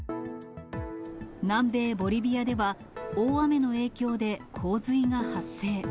南米ボリビアでは、大雨の影響で洪水が発生。